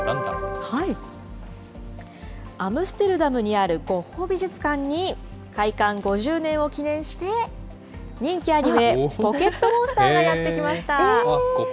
アムステルダムにあるゴッホ美術館に、開館５０年を記念して、人気アニメ、ポケットモンスターがやって来ました。